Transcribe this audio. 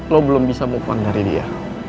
lo belum bisa move on dari dia